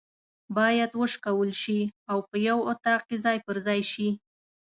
بايد وشکول سي او په یو اطاق کي ځای پر ځای سي